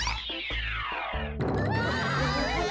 うわ！